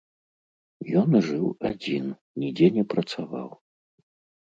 Ён жыў адзін, нідзе не працаваў.